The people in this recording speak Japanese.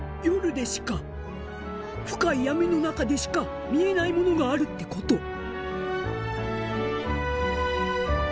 夜でしか深い闇の中でしか見えないものがあるってこと。